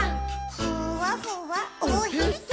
「ふわふわおへそ」